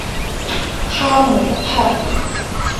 哈姆畔。